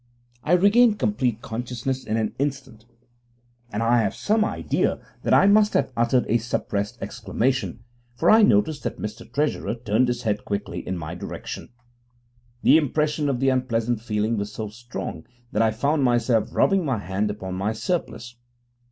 I regained complete consciousness in an instant, and I have some idea that I must have uttered a suppressed exclamation, for I noticed that Mr Treasurer turned his head quickly in my direction. The impression of the unpleasant feeling was so strong that I found myself rubbing my hand upon my surplice.